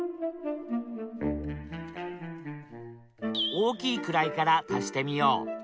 大きい位から足してみよう。